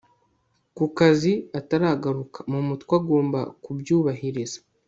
ku kazi ataragaruka mu mutwe agomba kubyubahiriza